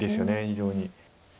非常に。